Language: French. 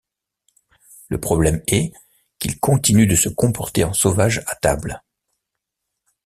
Le problème est qu'ils continuent de se comporter en sauvages à table...